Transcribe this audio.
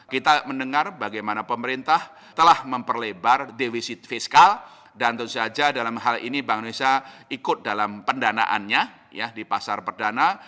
kita mendengar bagaimana pemerintah telah memperlebar defisit fiskal dan tentu saja dalam hal ini bank indonesia ikut dalam pendanaannya di pasar perdana